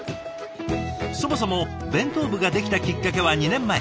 そもそも弁当部ができたきっかけは２年前。